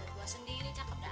gua sendiri cakep dah